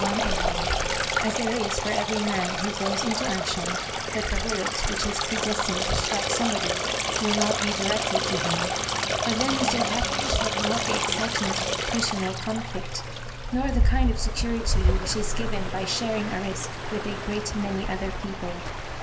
one enemy, as there is for every man who goes into action that the bullet which is predestined to strike somebody will not be directed to him ; but then Mr. Cavendish had not the ercitement of personal conflict, nor the kind of security which is given by sharing a risk with a great many other people.